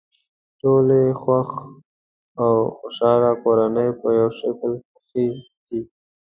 ټولې خوښ او خوشحاله کورنۍ په یوه شکل خوښې دي.